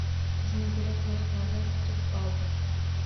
Bizni gurux rahbari kutib oldi.